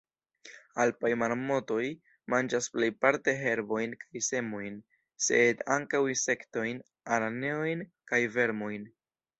Alpaj marmotoj manĝas plejparte herbojn kaj semojn, sed ankaŭ insektojn, araneojn kaj vermojn.